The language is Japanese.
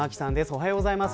おはようございます。